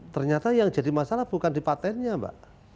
ternyata yang jadi masalah bukan di patentnya mbak